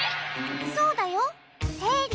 そうだよせいり。